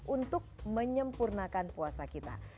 untuk menyempurnakan puasa kita